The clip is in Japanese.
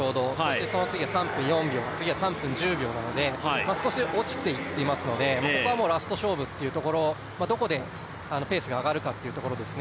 そしてその次は３分４秒、次は３分１０秒なので少し落ちていますのでここはラスト勝負というところどこでペースが上がるかってところですね。